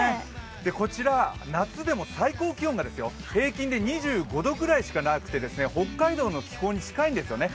こちら夏でも最高気温がですよ、平均で２５度ぐらいしかなくて北海道の気候に近いんですよね。